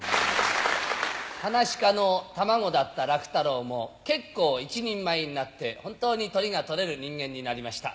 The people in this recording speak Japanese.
はなし家の卵だった楽太郎も結構、一人前になって、本当にとりが取れる人間になりました。